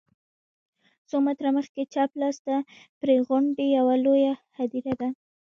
څو متره مخکې چپ لاس ته پر غونډۍ یوه لویه هدیره ده.